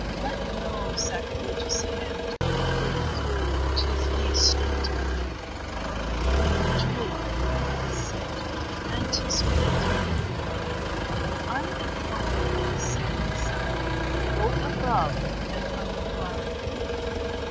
Let no sacrilegious hand Breake through—'tis y^e strickte comaund Of the jeweller: who hath sayd (And 'tis fit he be obey'd) I'll require it safe and sound Both above and under ground.